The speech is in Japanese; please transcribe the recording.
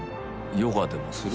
ヨガでもする？